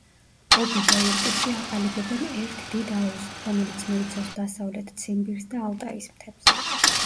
ობი და ირტიში აყალიბებენ ერთ დიდ აუზს, რომელიც მოიცავს დასავლეთ ციმბირს და ალტაის მთებს.